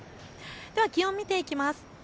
では気温、見ていきます。